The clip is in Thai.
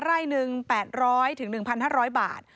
ร่ายหนึ่ง๘๐๐ถึง๑๕๐๐บาท